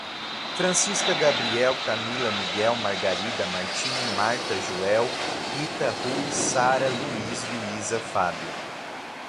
Francisca, Gabriel, Camila, Miguel, Margarida, Martim, Marta, Joel, Rita, Rui, Sara, Luís, Luísa, Fábio